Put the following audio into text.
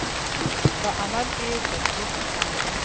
په عمل کې یې تطبیق کاندئ.